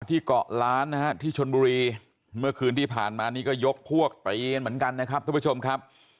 ที่เกาะล้านนะฮะที่ชนบุรีเมื่อคืนที่ผ่านมานี่ก็ยกพวกตีกันเหมือนกันนะครับทุกผู้ชมครับ